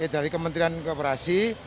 dari kementerian koperasi